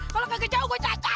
kalau gak jauh gue cacat